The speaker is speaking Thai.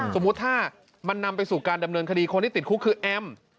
สมมุติถ้ามันนำไปสู่การดำเนินคดีคนที่ติดคุกคือแอม